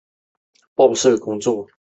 很快就没事了